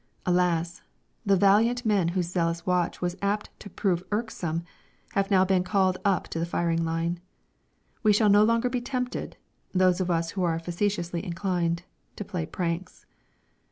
Alas! the valiant men whose zealous watch was apt to prove irksome have now been called up to the firing line. We shall no longer be tempted (those of us who are facetiously inclined) to play pranks.